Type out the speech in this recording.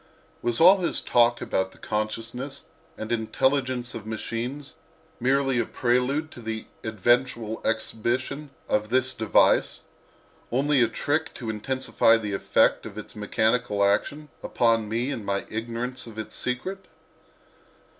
Was all his talk about the consciousness and intelligence of machines merely a prelude to eventual exhibition of this device—only a trick to intensify the effect of its mechanical action upon me in my ignorance of its secret?